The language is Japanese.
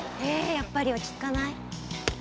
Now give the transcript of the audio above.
やっぱり落ち着かない？